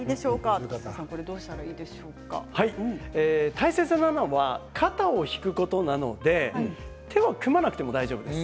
大切なのは肩を引くことなので手は組まなくても大丈夫です。